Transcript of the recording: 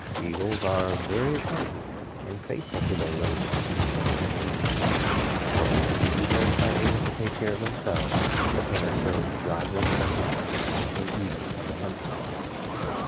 Eagles are very affectionate and faithful to their little ones as long as they need care; but once the young eaglets are able to take care of themselves, the parent birds drive them from the nest, and even from the hunting ground.